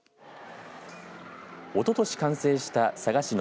おととし完成した佐賀市の